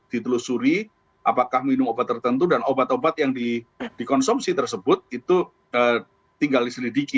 ditelusuri apakah minum obat tertentu dan obat obat yang dikonsumsi tersebut itu tinggal diselidiki